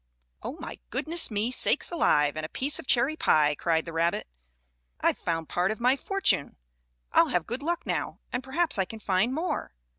"Oh, my goodness me, sakes alive and a piece of cherry pie!" cried the rabbit. "I've found part of my fortune! I'll have good luck now, and perhaps I can find more."